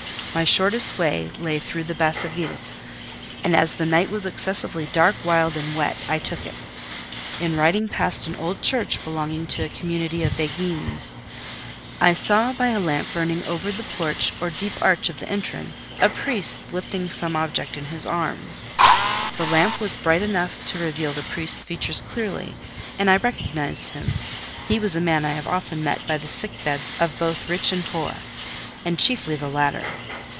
My shortest way lay through the Basse Ville, and as the night was excessively dark, wild, and wet, I took it. In riding past an old church belonging to a community of Béguines, I saw by a lamp burning over the porch or deep arch of the entrance, a priest lifting some object in his arms. The lamp was bright enough to reveal the priest's features clearly, and I recognised him; he was a man I have often met by the sick beds of both rich and poor: and chiefly the latter.